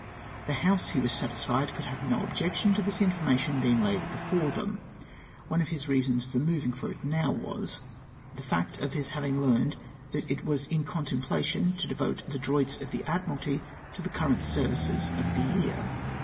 The House, he was satisfied, could have no objection to this information being laid before them. One of his reasons for moving for it now was, the fact of his having learned that it w^as in con templation to devote the Droits of the Admiralty to the current services of the year.